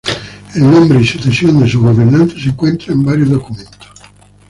El nombre y sucesión de sus gobernantes se encuentra en varios documentos.